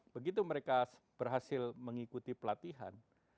begitu mereka berhasil mengikuti pelatihan